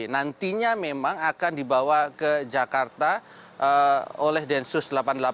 nantinya memang akan dibawa ke jakarta oleh densus delapan puluh delapan